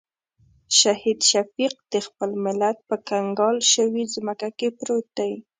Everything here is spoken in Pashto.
شهید شفیق د خپل ملت په کنګال شوې ځمکه کې پروت دی.